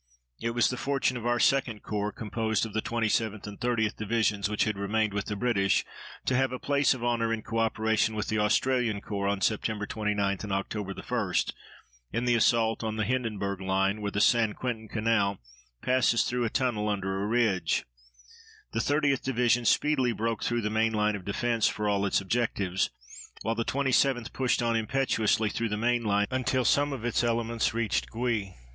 It was the fortune of our 2d Corps, composed of the 27th and 30th Divisions, which had remained with the British, to have a place of honor in co operation with the Australian Corps on Sept. 29 and Oct. 1 in the assault on the Hindenburg line where the St. Quentin Canal passes through a tunnel under a ridge. The 30th Division speedily broke through the main line of defense for all its objectives, while the 27th pushed on impetuously through the main line until some of its elements reached Gouy.